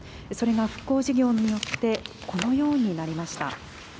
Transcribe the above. それが復興事業によって、このようになりました。